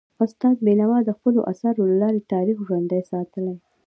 استاد بینوا د خپلو اثارو له لارې تاریخ ژوندی ساتلی.